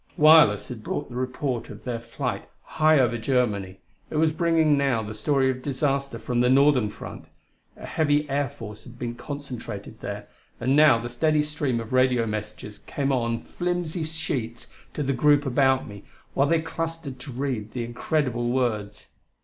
Wireless had brought the report of their flight high over Germany; it was bringing now the story of disaster from the northern front. A heavy air force had been concentrated there; and now the steady stream of radio messages came on flimsy sheets to the group about me, while they clustered to read the incredible words.